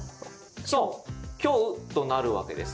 そう「今日」となるわけですね。